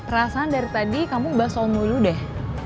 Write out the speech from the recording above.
rasanya dari tadi kamu bahas soal mulut deh